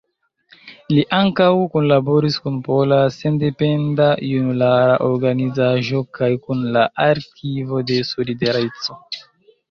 Li ankaŭ kunlaboris kun Pola Sendependa Junulara Organizaĵo kaj kun la Arkivo de Solidareco.